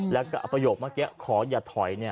แล้วก็เอาประโยคเมื่อกี้ขออย่าถอย